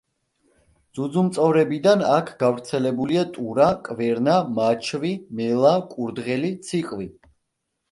ძუძუმწოვრებიდან აქ გავრცელებულია ტურა, კვერნა, მაჩვი, მელა, კურდღელი, ციყვი.